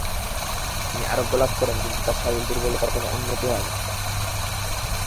তিনি আরোগ্যলাভ করেন কিন্তু তার শারীরিক দুর্বলতার কোন উন্নতি হয়না।